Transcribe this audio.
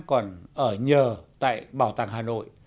còn ở nhờ tại bảo tàng hà nội